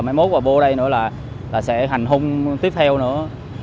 mai mốt bà bô đây nữa là sẽ hành khung tiếp theo nữa